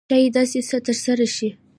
ښایي داسې څه ترسره شي.